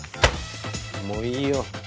もういいよ。